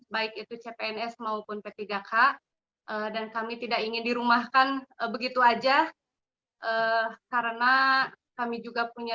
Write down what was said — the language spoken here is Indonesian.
baik itu cpns maupun p tiga k dan kami tidak ingin dirumahkan begitu aja karena kami juga punya